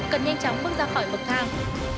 cần nhanh chóng bước ra khỏi bậc thang